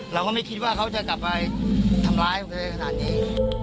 เราก็ไม่คิดว่าเขาจะกลับไปทำลายมันแค่นั้นดี